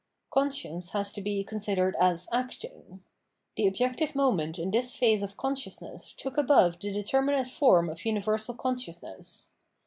Conscience has to be considered as acting. The objective moment in this phase of consciousness took above the determinate form of universal consciousness.